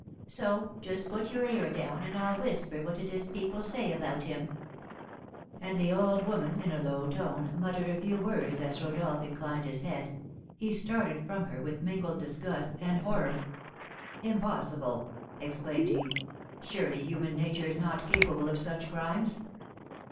So, just put your ear down and I'll whisper what it is people say about him." And the old woman, in a low tone, muttered a few words as Rodolph inclined his head; he started from her, with mingled disgust and horror. "Impossible!" exclaimed he. "Surely human nature is not capable of such crimes!"